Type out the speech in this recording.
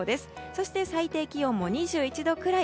そして最高気温も２１度くらい。